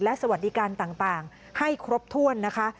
สวัสดีการต่างให้ครบถ้วนนะคะ